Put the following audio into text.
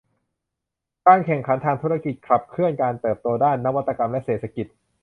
การแข่งขันทางธุรกิจขับเคลื่อนการเติบโตด้านนวัตกรรมและเศรษฐกิจ